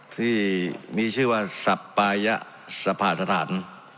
ที่มีชื่อว่าสับปายะสภาสถาน